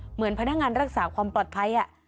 เหมือนพนักงานรักษาความปลอดภัย